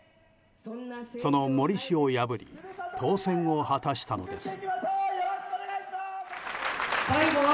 その森氏を破り当選を果たしたのです。